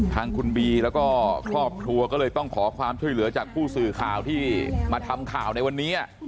ทางคุณบีแล้วก็ครอบครัวก็เลยต้องขอความช่วยเหลือจากผู้สื่อข่าวที่มาทำข่าวในวันนี้